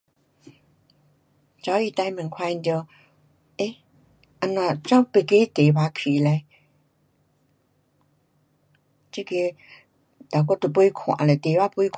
早上最慢看见到。诶。。。跑到别的题目去了。那我都还没看呢